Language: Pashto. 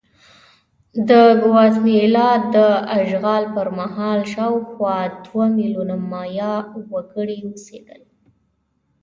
د ګواتیمالا د اشغال پر مهال شاوخوا دوه میلیونه مایا وګړي اوسېدل.